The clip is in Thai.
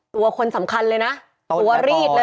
ตัวคนสำคัญเลยนะตัวรีดเลย